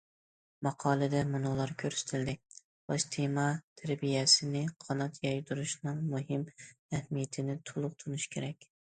ماقالىدە مۇنۇلار كۆرسىتىلدى: باش تېما تەربىيەسىنى قانات يايدۇرۇشنىڭ مۇھىم ئەھمىيىتىنى تولۇق تونۇش كېرەك.